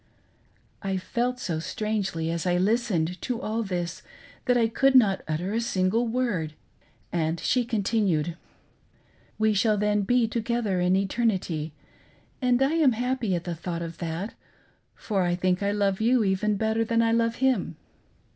I felt so strangely as I listened to all this that I could not utter a single wor^, and she continued: "We shall then be together in eternity, and I am happy at the thought of that, for I think I love you even better than I love him.